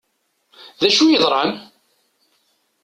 D acu i yeḍran?